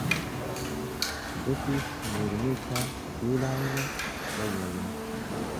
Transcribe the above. Ĝi estis filmita plurajn fojojn.